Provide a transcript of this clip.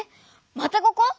またここ？